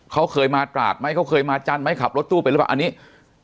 เขาเคยมาตราดไหมเขาเคยมาจันทร์ไหมขับรถตู้ไปหรือเปล่าอันนี้